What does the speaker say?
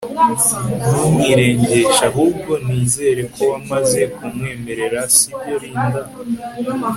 Ntumwirengeshe ahubwo nizere ko wamaze kumwemerera Sibyo Linda